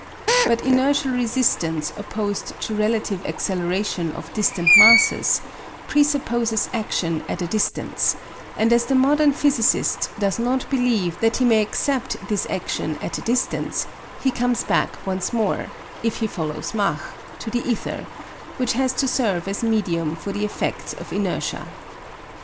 But inertial resistance opposed to relative acceleration of distant masses presupposes action at a distance; and as the modern physicist does not believe that he may accept this action at a distance, he comes back once more, if he follows Mach, to the ether, which has to serve as medium for the effects of inertia.